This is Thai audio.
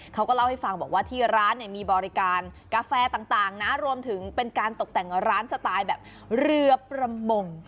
เขาก็เล่าให้ฟังบอกว่าที่ร้านเนี่ยมีบริการกาแฟต่างนะรวมถึงเป็นการตกแต่งร้านสไตล์แบบเรือประมง